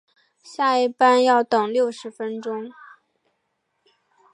下一班要等六十分钟